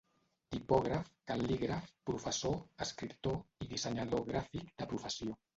Tipògraf, cal·lígraf, professor, escriptor i dissenyador gràfic de professió.